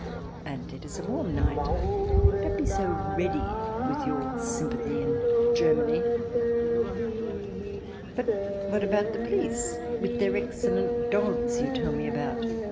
And it is a warm night. Don't be so ready with your sympathy — in Germany." " But what about the poHce, with their excellent dogs you tell me about ?"